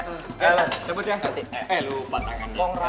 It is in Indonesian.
eh lupa tangan